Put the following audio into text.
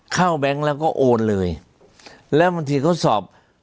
แบงค์แล้วก็โอนเลยแล้วบางทีเขาสอบ